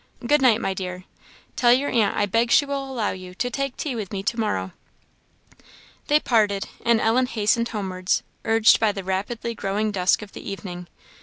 Good night, my dear! Tell your aunt I beg she will allow you to take tea with me to morrow." They parted; and Ellen hastened homewards, urged by the rapidly growing dusk of the evening.